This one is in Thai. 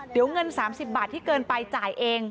เดี๋ยวเงิน๓๐บาทที่เกินไปจ่ายเอง